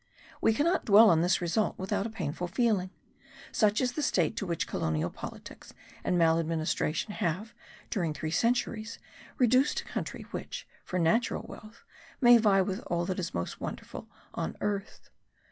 We cannot dwell on this result without a painful feeling. Such is the state to which colonial politics and maladministration have, during three centuries, reduced a country which, for natural wealth, may vie with all that is most wonderful on earth.